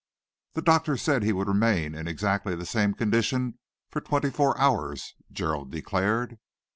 "The doctor said he would remain in exactly the same condition for twenty four hours," Gerald declared.